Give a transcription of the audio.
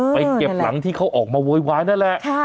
ไปเก็บหลังที่เขาออกมาโวยวายนั่นแหละ